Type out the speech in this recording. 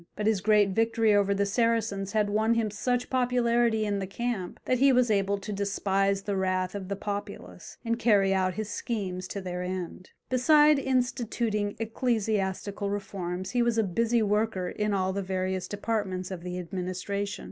But his great victory over the Saracens had won him such popularity in the camp, that he was able to despise the wrath of the populace, and carry out his schemes to their end. Beside instituting ecclesiastical reforms he was a busy worker in all the various departments of the administration.